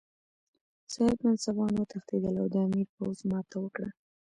صاحب منصبان وتښتېدل او د امیر پوځ ماته وکړه.